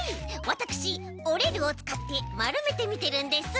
わたくし「おれる」をつかってまるめてみてるんです。